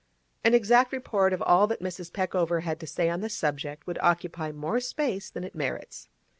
An exact report of all that Mrs. Peckover had to say on this subject would occupy more space than it merits.